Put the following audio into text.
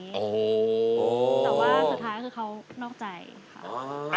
แต่ว่าสุดท้ายคือเขานอกใจค่ะ